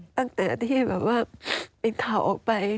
ตั้งแต่ที่เป็นข่าวออกไป